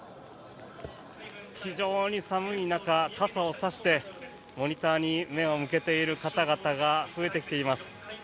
非常に寒い中傘を差してモニターに目を向けている方々が増えてきています。